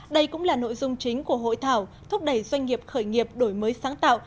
đây cũng là nội dung chính của hội thảo thúc đẩy doanh nghiệp khởi nghiệp đổi mới sáng tạo